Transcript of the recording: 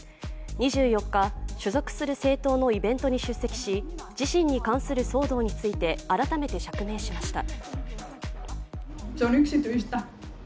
２４日、所属する政党のイベントに出席し、自身に関する騒動について改めて釈明しました。